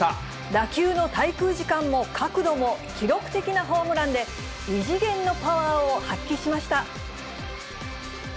打球の滞空時間も角度も、記録的なホームランで、異次元のパワーを発揮しました。